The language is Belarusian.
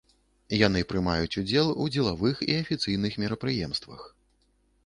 Яны прымаюць удзел у дзелавых і афіцыйных мерапрыемствах.